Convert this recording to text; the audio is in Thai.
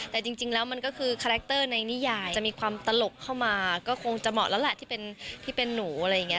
แต่จริงแล้วมันก็คือคาแรคเตอร์ในนิยายจะมีความตลกเข้ามาก็คงจะเหมาะแล้วแหละที่เป็นหนูอะไรอย่างนี้